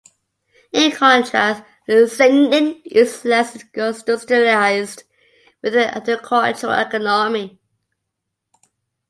In contrast, San'in is less industrialized with an agricultural economy.